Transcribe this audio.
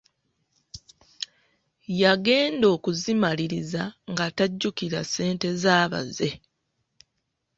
Yagenda okuzimaliriza nga tajjukira ssente z'abaze!